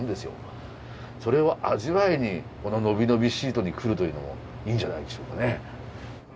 それを味わいにこのノビノビシートに来るというのもいいんじゃないでしょうかね。